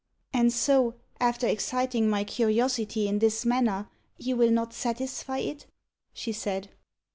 "And so, after exciting my curiosity in this manner, you will not satisfy it?" she said.